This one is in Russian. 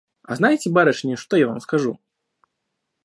А знаете, барышни, что я вам скажу?